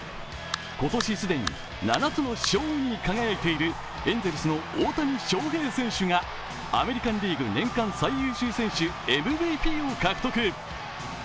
今年、既に７つの賞に輝いているエンゼルスの大谷翔平選手がアメリカンリーグ年間最優秀選手ＭＶＰを獲得。